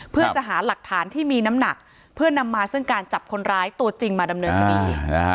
เพื่อนำมาซึ่งการจับคนร้ายตัวจริงมาดำเนินพอดี